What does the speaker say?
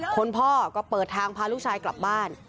พ่อก็เปิดทางพาลูกชายกลับบ้าน